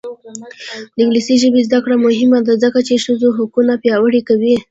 د انګلیسي ژبې زده کړه مهمه ده ځکه چې ښځو حقونه پیاوړي کوي.